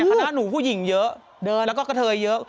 อย่างคณะหนูผู้หญิงเยอะแล้วก็กระเทยเยอะ